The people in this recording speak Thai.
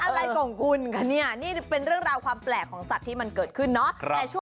อะไรของคุณคะเนี่ยนี่เป็นเรื่องราวความแปลกของสัตว์ที่มันเกิดขึ้นเนาะ